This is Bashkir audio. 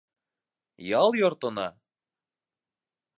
Ял йортона?!